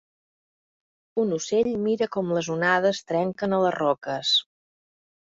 Un ocell mira com les onades trenquen a les roques.